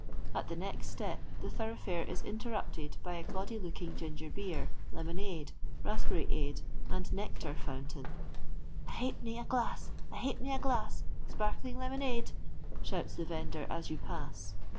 At the next Btep the thoroughfare is interrupted by a gaudy Woking ginger beer, lemonade, raspberryade, and* nectar fountain ;'' a halfpenny a glass, a halfpenny t glass, sparkling lemonade !" shouts the vendor u you pass.